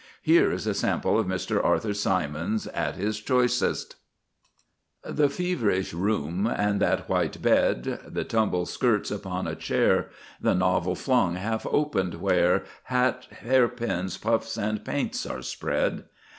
Here is a sample of Mr. Arthur Symons at his choicest: The feverish room and that white bed, The tumbled skirts upon a chair, The novel flung half open where Hat, hair pins, puffs, and paints are spread.